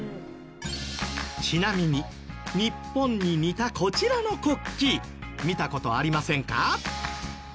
ちなみに日本に似たこちらの国旗見た事ありませんか？